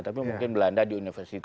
tapi mungkin belanda di universitas